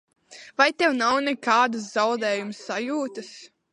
Vai tev nav nekādas zaudējuma sajūtas?